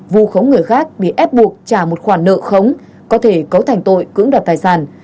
vù khống người khác bị ép buộc trả một khoản nợ khống có thể cấu thành tội cưỡng đoạt tài sản